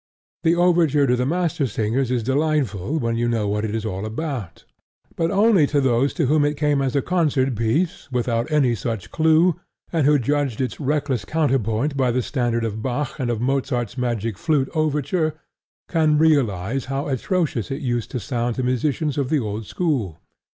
The overture to The Mastersingers is delightful when you know what it is all about; but only those to whom it came as a concert piece without any such clue, and who judged its reckless counterpoint by the standard of Bach and of Mozart's Magic Flute overture, can realize how atrocious it used to sound to musicians of the old school.